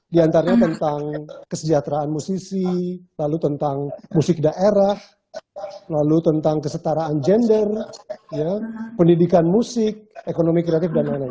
di antaranya tentang kesejahteraan musisi lalu tentang musik daerah lalu tentang kesetaraan gender pendidikan musik ekonomi kreatif dan lain lain